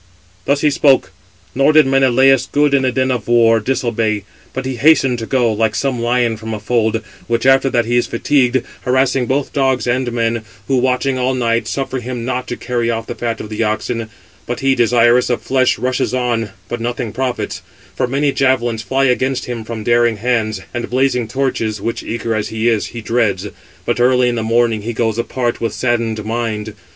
Thus he spoke; nor did Menelaus, good in the din of war, disobey. But he hastened to go, like some lion from a fold, which after that he is fatigued, harassing both dogs and men, who watching all night, suffer him not to carry off the fat of the oxen; but he, desirous of flesh, rushes on, but nothing profits; for many javelins fly against him from daring hands, and blazing torches, which, eager as he is, he dreads; but early in the morning he goes apart with saddened mind.